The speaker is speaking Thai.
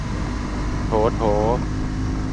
โถ โถ